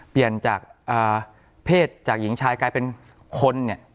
เปลี่ยนจากเพศจากหญิงชายกลายเป็นคนเนี่ย